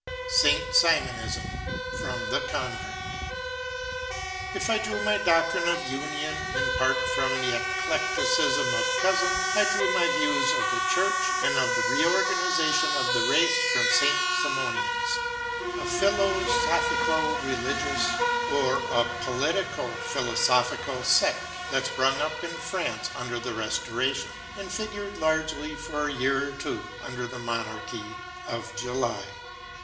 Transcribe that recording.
SAINT SIMONISM From 'The Convert' If I drew my doctrine of Union in part from the eclecticism of Cousin, I drew my views of the Church and of the reorganization of the race from the Saint Simonians, a philo sophico religious or a politico philosophical sect that sprung up in France under the Restoration, and figured largely for a year or two under the monarchy of July.